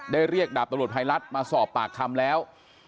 เรียกดาบตำรวจภัยรัฐมาสอบปากคำแล้ว